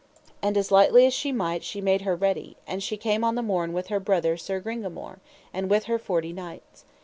And as lightly as she might she made her ready; and she came on the morn with her brother Sir Gringamore, and with her forty knights.